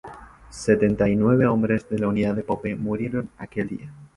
Setenta y nueve hombres de la unidad de Pope murieron aquel día.